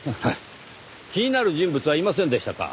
気になる人物はいませんでしたか？